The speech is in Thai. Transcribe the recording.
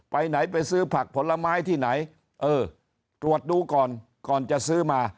ไปไหนไปซื้อผักผลไม้ที่ไหนเออตรวจดูก่อนก่อนจะซื้อมา